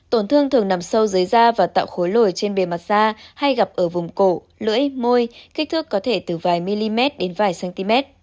tổn thương thường nằm sâu dưới da và tạo khối lồi trên bề mặt da hay gặp ở vùng cổ lưỡi môi kích thước có thể từ vài mm đến vài cm